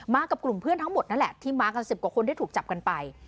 กับกลุ่มเพื่อนทั้งหมดนั่นแหละที่มากัน๑๐กว่าคนที่ถูกจับกันไป